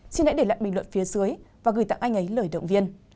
chị hãy để lại bình luận phía dưới và gửi tặng anh ấy lời động viên